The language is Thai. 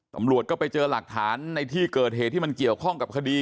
ตำรวจก็ไปเจอหลักฐานในที่เกิดเหตุที่มันเกี่ยวข้องกับคดี